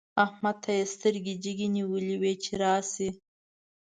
احمد ته يې سترګې جګې نيولې وې چې راشي.